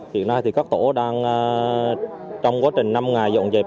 hiện nay thì các tổ đang trong quá trình năm ngày dọn dẹp